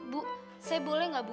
bu saya boleh nggak bu